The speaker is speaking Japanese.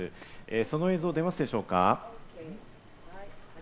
その映像、出ますでしょうか？